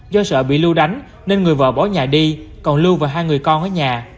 do sợ bị lưu đánh nên người vợ bỏ nhà đi còn lưu và hai người con ở nhà